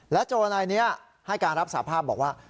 และโจในนี้ให้การรับสาภาพบอกว่า